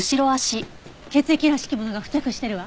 血液らしきものが付着してるわ。